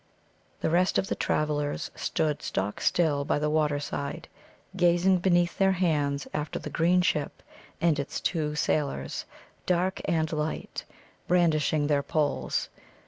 The rest of the travellers stood stock still by the water side, gazing beneath their hands after the green ship and its two sailors, dark and light, brandishing their poles.